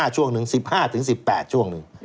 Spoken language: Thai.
๑๓๑๕ช่วงนึง๑๕๑๘ช่วงนึง